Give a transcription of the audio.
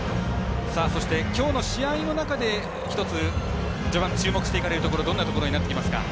そして、きょうの試合の中で１つ序盤注目していかれるところどんなところだと思いますか？